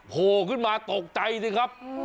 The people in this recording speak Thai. โผล่ขึ้นมาตกใจสิครับ